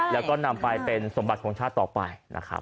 แล้วก็นำไปเป็นสมบัติของชาติต่อไปนะครับ